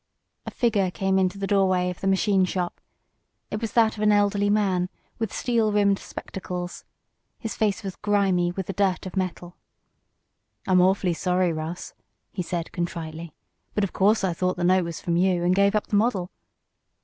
A figure came into the doorway of the machine shop. It was that of an elderly man, with steel rimmed spectacles. His face was grimy with the dirt of metal. "I'm awfully sorry, Russ," he said, contritely. "But of course I thought the note was from you, and gave up the model."